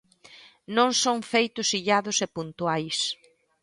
Non son feitos illados e puntuais.